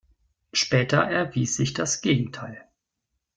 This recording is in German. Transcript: Später erwies sich das Gegenteil.